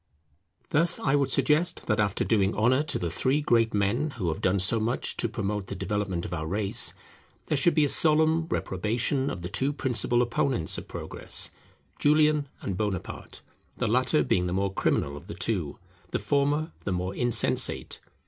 Thus I would suggest that after doing honour to the three great men who have done so much to promote the development of our race, there should be a solemn reprobation of the two principal opponents of progress, Julian and Bonaparte; the latter being the more criminal of the two, the former the more insensate.